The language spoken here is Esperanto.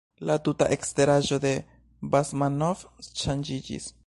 La tuta eksteraĵo de Basmanov ŝanĝiĝis.